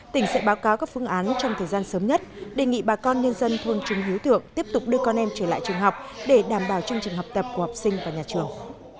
tỉnh sẽ báo cáo các phương án trong thời gian sớm nhất đề nghị bà con nhân dân thôn trung hiếu thượng tiếp tục đưa con em trở lại trường học để đảm bảo chương trình học tập của học sinh và nhà trường